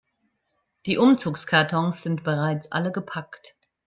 Die Umzugskartons sind bereits alle gepackt.